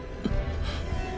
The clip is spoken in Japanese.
あっ。